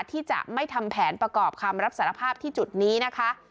ที่จะไม่ทำแผนประกอบคำรับสารภาพที่จุดนี้นะคะ